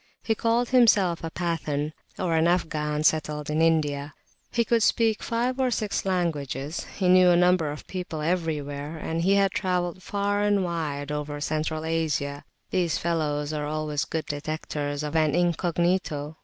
He called himself a Pathan (Afghan settled in India); he could speak five or six languages, he knew a number of people everywhere, and he had travelled far and wide over Central Asia. These fellows are always good detectors of an incognito.